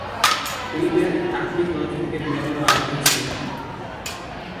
Hilbert তাত্ত্বিক পদার্থবিজ্ঞানের ব্যাপারেও আগ্রহী ছিলেন।